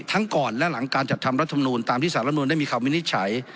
ก่อนและหลังการจัดทำรัฐมนูลตามที่สารรัฐมนุนได้มีคำวินิจฉัย